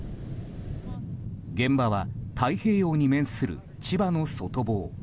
現場は太平洋に面する千葉の外房。